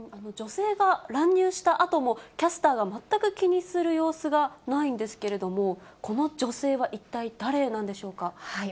女性が乱入したあとも、キャスターが全く気にする様子がないんですけれども、この女性は一体誰なんでしょうか。